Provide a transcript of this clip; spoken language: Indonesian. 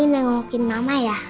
nengokin mama ya